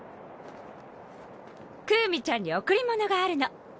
クウミちゃんに贈り物があるの。